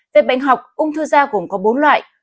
về bệnh học ung thư da gồm có bốn loại